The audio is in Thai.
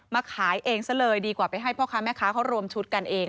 ขายเองซะเลยดีกว่าไปให้พ่อค้าแม่ค้าเขารวมชุดกันเอง